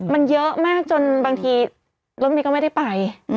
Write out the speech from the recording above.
มันเยอะมากจนบางทีรถเมย์ก็ไม่ได้ไป